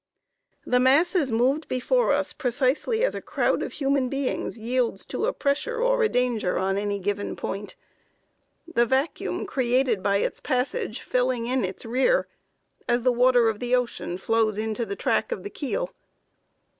"The masses moved before us precisely as a crowd of human beings yields to a pressure or a danger on any given point; the vacuum created by its passage filling in its rear as the water of the ocean flows into the track of the keel.